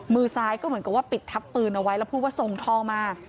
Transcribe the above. มือซ้ายก็เหมือนกับว่าปิดทับปืนเอาไว้แล้วพูดว่าส่งทองมา